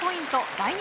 第２